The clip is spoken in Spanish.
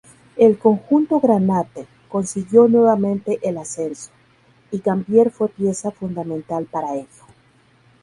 El conjunto "granate" consiguió nuevamente el ascenso, y Gambier fue pieza fundamental para ello.